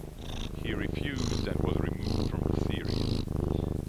He refused and was removed from the series.